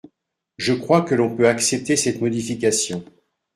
Je crois que l’on peut accepter cette modification.